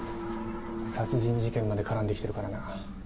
殺人事件まで絡んで来てるからな。